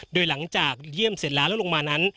โดยหลังจากเยี่ยมเสร็จแล้วแล้วลงมานั้น